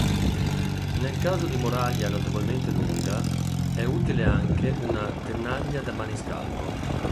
Nel caso di muraglia notevolmente lunga, è utile anche una "tenaglia da maniscalco".